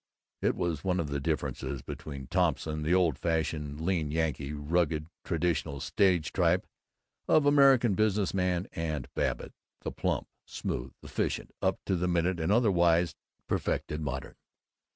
It was one of the differences between Thompson, the old fashioned, lean Yankee, rugged, traditional, stage type of American business man, and Babbitt, the plump, smooth, efficient, up to the minute and otherwise perfected modern.